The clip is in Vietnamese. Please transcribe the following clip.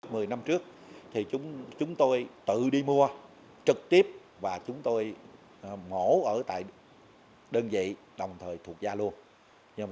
mười năm trước thì chúng tôi tự đi mua trực tiếp và chúng tôi mổ ở tại đơn vị đồng thời thuộc gia luôn